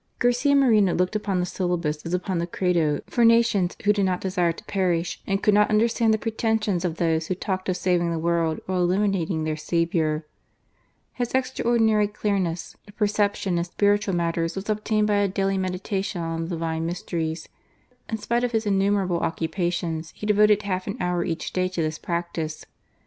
Garcia Moreno looked upon the Syllabus as upon the Credo for nations who did not desire to perish, and could not understand the pretensions of those who talked of saving the world while eliminating their Saviour. His extraordinary clearness of perception in spiritu^ matters was obtained by a daily meditation on the Divine mysteries. In spite of his innumerable occupations, he devoted half an hour each day to this practice.